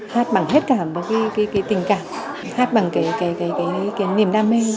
hát bằng hết cảm và cái tình cảm hát bằng cái niềm đam mê